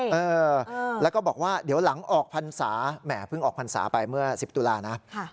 ผู้หญิงพอได้ยินแบบนี้ดีใจไหม